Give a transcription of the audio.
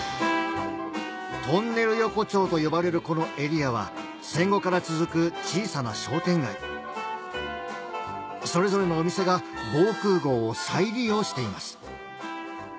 とんねる横丁と呼ばれるこのエリアは戦後から続く小さな商店街それぞれのお店が防空壕を再利用しています